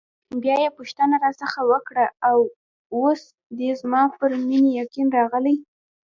بیا یې پوښتنه راڅخه وکړه: اوس دې زما پر مینې یقین راغلی؟